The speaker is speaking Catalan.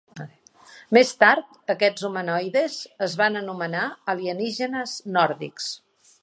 Més tard, aquests humanoides es van anomenar alienígenes nòrdics.